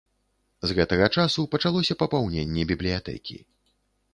З гэтага часу пачалося папаўненне бібліятэкі.